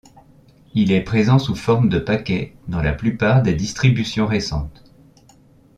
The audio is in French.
Il est présent sous forme de paquets dans la plupart des distributions récentes.